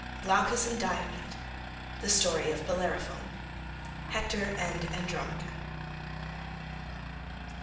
Glaucus and Diomed—The story of Bellerophon—Hector and Andromache.